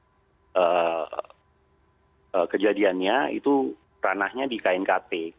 jadi kejadiannya itu ranahnya di knkt